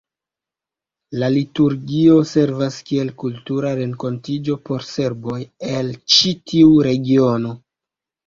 La liturgio servas kiel kultura renkontiĝo por serboj el ĉi tiu regiono.